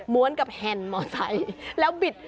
ม้วนกับแฮนมอเซ็ยแล้วบีด